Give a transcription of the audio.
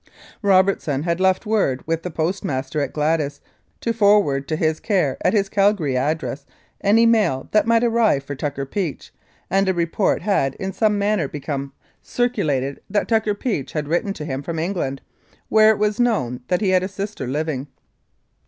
Robertson had left word with the postmaster at Gladys to forward to his care, at his Calgary address, any mail that might arrive for Tucker Peach, and a report had in some manner become circulated that 236 The Tucker Peach Murder Tucker Peach had written to him from England, where is was known that he had a sister living.